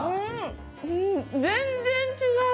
全然違う！